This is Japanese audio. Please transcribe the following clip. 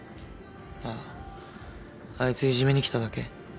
あぁあいついじめにきただけ？